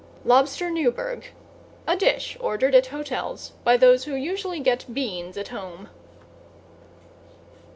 =LOBSTER NEWBURG= A dish ordered at hotels by those who usually get beans at home.